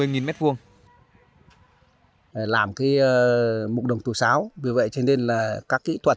làm cái mục đồng thổi sáo vì vậy cho nên là các kỹ thuật